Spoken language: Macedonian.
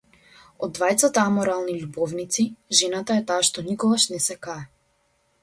Од двајцата аморални љубовници, жената е таа што никогаш не се кае.